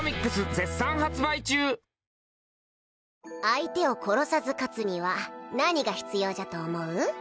相手を殺さず勝つには何が必要じゃと思う？